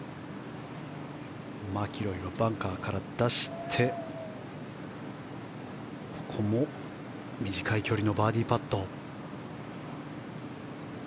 マキロイはバンカーから出して短い距離のバーディーパット。